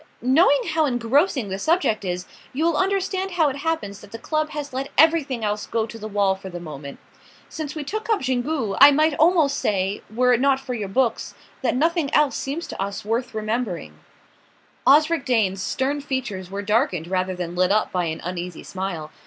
"Knowing how engrossing the subject is, you will understand how it happens that the club has let everything else go to the wall for the moment. Since we took up Xingu I might almost say were it not for your books that nothing else seems to us worth remembering." Osric Dane's stern features were darkened rather than lit up by an uneasy smile.